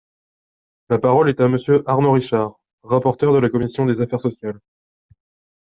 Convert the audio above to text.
La parole est à Monsieur Arnaud Richard, rapporteur de la commission des affaires sociales.